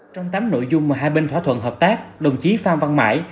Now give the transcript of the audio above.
trong tám nội dung mà hai bên thỏa thuận hợp tác đồng chí phan văn mãi